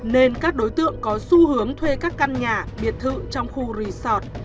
nên các đối tượng có xu hướng thuê các căn nhà biệt thự trong khu resort